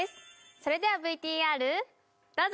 それではＶＴＲどうぞ！